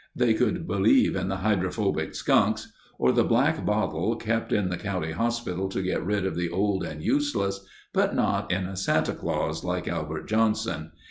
They could believe in the hydrophobic skunks or the Black Bottle kept in the county hospital to get rid of the old and useless, but not in a Santa Claus like Albert Johnson.